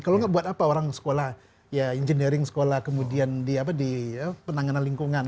kalau nggak buat apa orang sekolah ya engineering sekolah kemudian di penanganan lingkungan